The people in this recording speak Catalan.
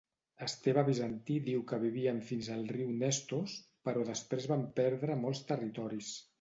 Esteve Bizantí diu que vivien fins al riu Nestos, però després van perdre molts territoris.